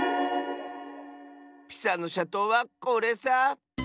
ピサのしゃとうはこれさ！